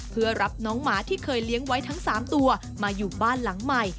เพื่อรับน้องหมาที่เคยเลี้ยงไว้ทั้ง๓ตัวมาอยู่บ้านหลังใหม่